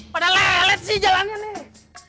telat sih jalannya nih